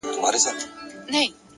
د حقیقت منل وجدان سپکوي،